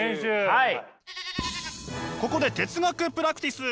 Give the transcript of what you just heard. はい。